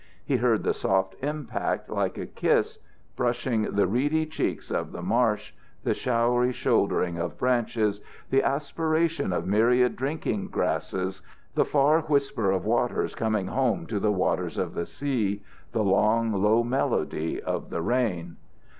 He heard the soft impact, like a kiss, brushing the reedy cheeks of the marsh, the showery shouldering of branches, the aspiration of myriad drinking grasses, the far whisper of waters coming home to the waters of the sea the long, low melody of the rain.